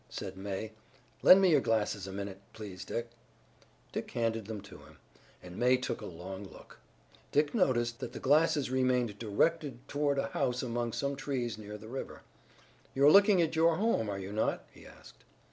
said May. "Lend me your glasses a minute, please, Dick." Dick handed them to him, and May took a long look, Dick noticed that the glasses remained directed toward a house among some trees near the river. "You're looking at your home, are you not?" he asked.